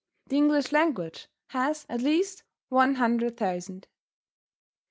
The English language has at least one hundred thousand.